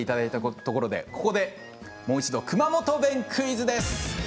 ここでもう一度熊本弁クイズです。